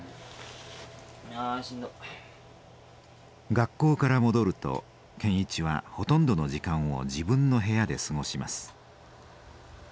学校から戻ると健一はほとんどの時間を自分の部屋で過ごします。